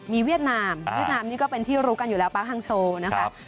มีเวียดนามเป็นที่รู้กันอยู่แล้วป่าฮั่งซู๊นะครับ